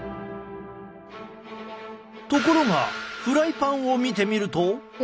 ところがフライパンを見てみると。